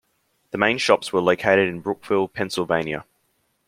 The main shops were located in Brookville, Pennsylvania.